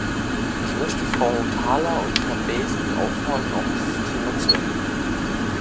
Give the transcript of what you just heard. Ich möchte Frau Hautala und Herrn Beysen auffordern, auch dieses Thema zu ändern.